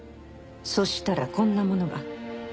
そしたらこんなものが。